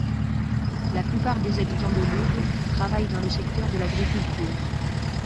La plupart des habitants de Lug travaillent dans le secteur de l'agriculture.